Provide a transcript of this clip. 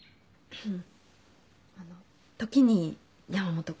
うん。